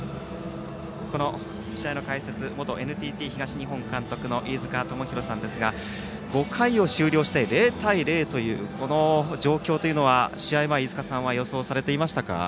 この試合の解説元ＮＴＴ東日本監督の飯塚智広さんですが５回を終了して０対０というこの状況というのは試合前、飯塚さんは予想されていましたか？